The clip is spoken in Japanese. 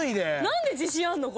何で自信あんの？